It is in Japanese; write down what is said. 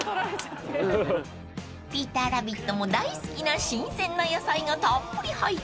［ピーターラビットも大好きな新鮮な野菜がたっぷり入ったカレー］